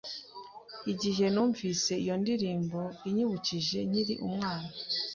Igihe numvise iyo ndirimbo, inyibukije nkiri umwana.